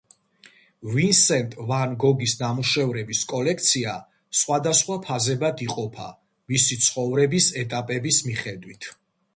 ვინსენტ ვან გოგის ნამუშევრების კოლექცია სხვადასხვა ფაზებად იყოფა მისი ცხოვრების ეტაპების მიხედვით.